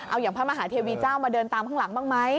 เอาอย่างพระมหาเทวีเจ้ามาเดินตามข้างหลังบ้างไหม